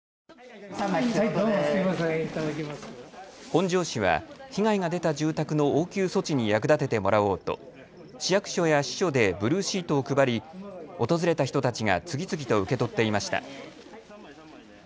本庄市は被害が出た住宅の応急措置に役立ててもらおうと市役所や支所でブルーシートを配り訪れた人たちが次々と受け取っていました。